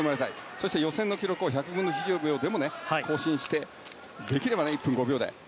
そして予選の記録を１００分の１秒でも更新してできれば１分５秒台。